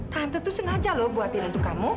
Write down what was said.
tante tuh sengaja loh buatin untuk kamu